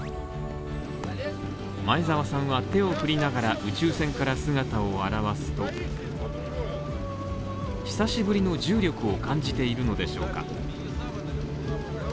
前澤さんは手を取りながら、宇宙船から姿を現すと久しぶりの重力を感じているのでしょうか？